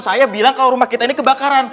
saya bilang kalau rumah kita ini kebakaran